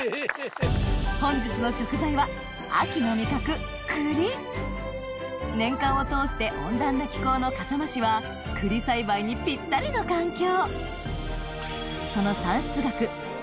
本日の食材は秋の味覚栗年間を通して温暖な気候の笠間市は栗栽培にピッタリの環境